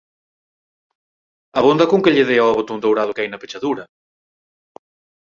Abonda con que lle dea ó botón dourado que hai na pechadura...